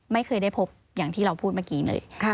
ไม่เคยได้พบอย่างที่เราพูดเมื่อกี้เลย